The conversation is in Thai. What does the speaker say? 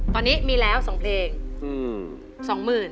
ตอนนี้มีแล้ว๒เพลง๒๐๐๐๐